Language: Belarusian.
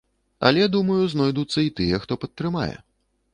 Але, думаю, знойдуцца і тыя, хто падтрымае.